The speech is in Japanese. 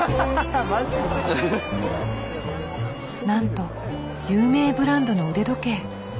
なんと有名ブランドの腕時計。